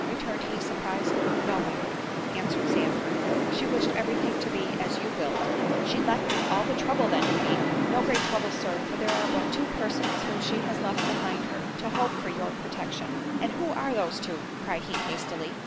returned he, surprised. "No, my Lord," answered Sandford, "she wished every thing to be as you willed." "She left me all the trouble, then, you mean?" "No great trouble, Sir; for there are but two persons whom she has left behind her, to hope for your protection." "And who are those two?" cried he hastily.